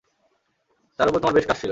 তার তোমার উপর বেশ ক্রাশ ছিল।